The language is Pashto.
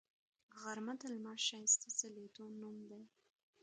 غرمه د لمر ښایسته ځلیدو نوم دی